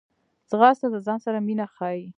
ځغاسته د ځان سره مینه ښيي